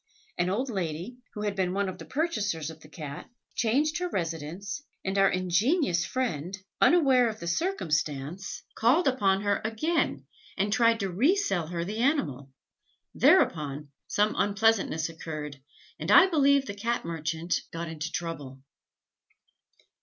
An old lady, who had been one of the purchasers of the Cat, changed her residence, and our ingenious friend, unaware of the circumstance, called upon her again, and tried to re sell her the animal; thereupon, some unpleasantness occurred, and I believe the Cat merchant got into trouble.